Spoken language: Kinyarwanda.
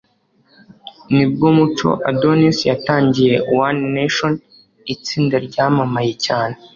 nibwo muco adonis yatangije one nation, itsinda ryamamaye cyane